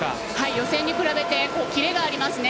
予選に比べてキレがありますね。